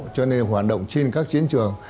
cho nên hoạt động trên các chiến trường